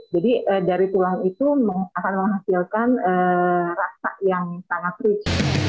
jadi dari tulang itu akan menghasilkan rasa yang sangat lucu